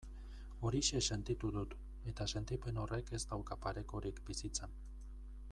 Horixe sentitu dut, eta sentipen horrek ez dauka parekorik bizitzan.